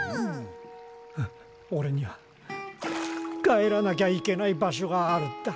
オレには帰らなきゃいけない場所があるんだ。